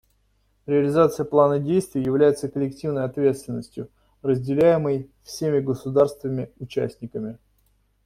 Реализация плана действий является коллективной ответственностью, разделяемой всеми государствами-участниками.